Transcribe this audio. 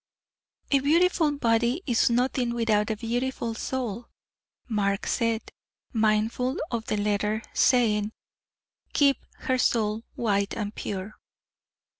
"A beautiful body is nothing without a beautiful soul," said Mark, mindful of the letter saying, "Keep her soul white and pure."